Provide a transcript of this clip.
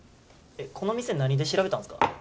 この店何で調べたんすか？